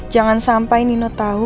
jangan sampai nino tau